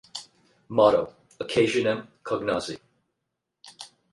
Motto: Occasionem Cognosce.